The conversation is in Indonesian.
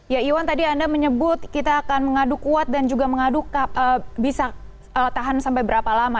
ya iwan tadi anda menyebut kita akan mengadu kuat dan juga mengadu bisa tahan sampai berapa lama